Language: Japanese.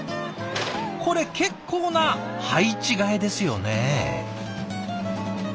これ結構な配置換えですよね。